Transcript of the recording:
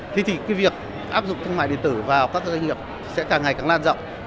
thì việc áp dụng thương mại điện tử vào các doanh nghiệp sẽ càng ngày càng lan rộng